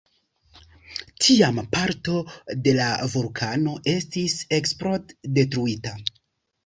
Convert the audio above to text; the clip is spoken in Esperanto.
Tiam parto de la vulkano estis eksplod-detruita.